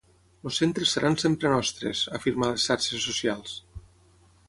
Els centres seran sempre nostres!, afirma a les xarxes socials.